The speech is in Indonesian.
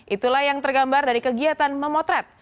itulah yang tergambar dari kegiatan memotret